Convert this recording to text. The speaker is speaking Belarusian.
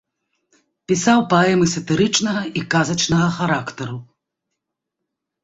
Пісаў паэмы сатырычнага і казачнага характару.